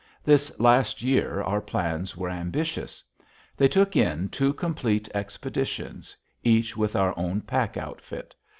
This last year, our plans were ambitious. They took in two complete expeditions, each with our own pack outfit.